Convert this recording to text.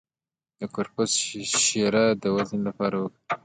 د کرفس شیره د وزن لپاره وکاروئ